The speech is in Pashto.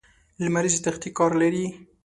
لمریزې تختې کار لري.